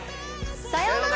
さようなら。